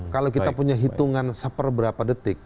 kalau kita punya hitungan seperberapa detik